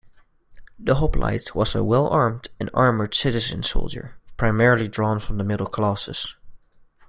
The hoplite was a well-armed and armored citizen-soldier primarily drawn from the middle classes.